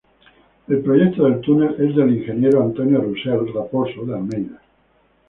El proyecto del túnel es del ingeniero Antonio Russell Raposo de Almeida.